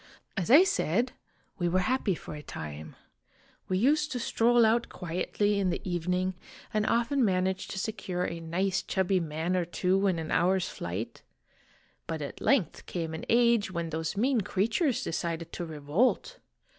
"As I said, we were happy for a time. We used to stroll out quietly in the evening, and often managed to secure a nice chubby THE DRAGON S STORY 3 1 man or two in an hour's flight. But at length came an a;e when o o o those mean creatures decided to revolt.